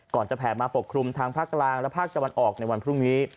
จะแผ่มาปกคลุมทางภาคกลางและภาคตะวันออกในวันพรุ่งนี้